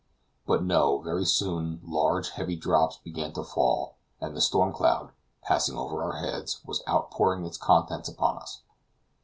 But no; very soon large heavy drops began to fall, and the storm cloud, passing over our heads, was outpouring its contents upon us.